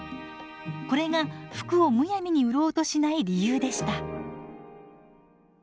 これが服をむやみに売ろうとしない理由でした。